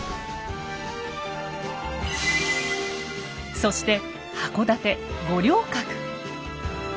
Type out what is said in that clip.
そして箱館五稜郭。